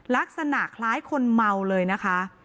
ลักษณะคล้ายคนเมาเลยนะคะ